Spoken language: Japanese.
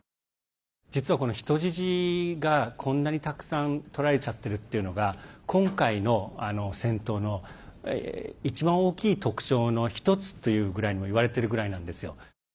実はこの人質がこんなに、たくさんとられちゃってるっていうのが今回の戦闘の一番大きい特徴の一つというぐらいに言われているぐらいなんですよ。